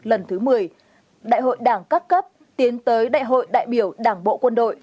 lần thứ một mươi đại hội đảng các cấp tiến tới đại hội đại biểu đảng bộ quân đội